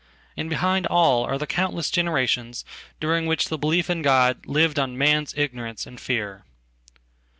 And behind all are the countless generations duringwhich the belief in God lived on man's ignorance and fear.